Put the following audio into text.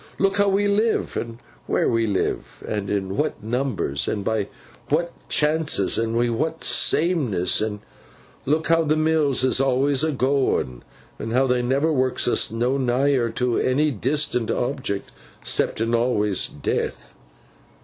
Look how we live, an' wheer we live, an' in what numbers, an' by what chances, and wi' what sameness; and look how the mills is awlus a goin, and how they never works us no nigher to ony dis'ant object—ceptin awlus, Death.